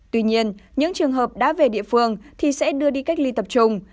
tuy nhiên những trường hợp đã về địa phương thì sẽ đưa đi cách ly tập trung